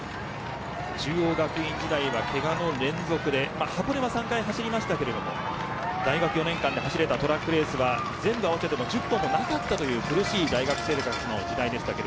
中央学院時代はけがの連続で箱根は３年で走りましたが大学４年で走れたトラックレースは１０本もなかったという苦しい大学生活でした。